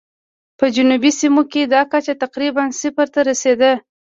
په جنوبي سیمو کې دا کچه تقریباً صفر ته رسېده.